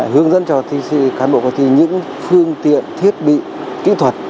hướng dẫn cho thi cán bộ coi thi những phương tiện thiết bị kỹ thuật